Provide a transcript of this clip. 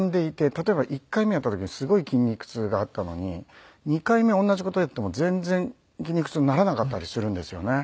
例えば１回目やった時はすごい筋肉痛があったのに２回目同じ事をやっても全然筋肉痛にならなかったりするんですよね。